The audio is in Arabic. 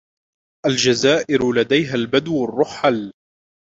الجزائر لديها البدو الرحل